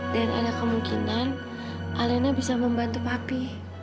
dan ada kemungkinan alena bisa membantu papi